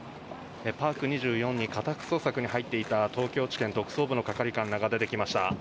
パーク２４に家宅捜索に入っていた東京地検特捜部の係官らが出てきました。